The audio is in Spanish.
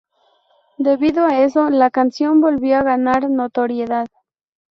Debido a eso, la canción volvió a ganar notoriedad.